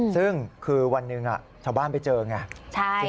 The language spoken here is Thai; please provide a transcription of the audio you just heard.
ซึ่งคือวันหนึ่งชาวบ้านไปเจอไง